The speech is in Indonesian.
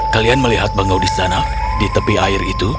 kalian melihat bangau di sana di tepi air itu